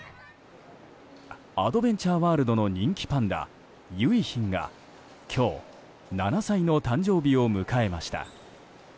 アドベンチャーワールドの人気パンダ、結浜が今日７歳の誕生日を迎えました。